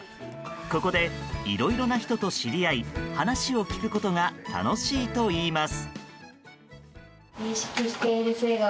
ここで、いろいろな人と知り合い話を聞くことが楽しいといいます。